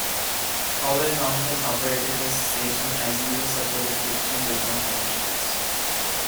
Howell Mountain operated the station as "user supported Christian" with no commercials.